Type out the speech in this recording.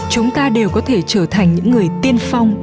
chúng ta đều có thể trở thành những người tiên phong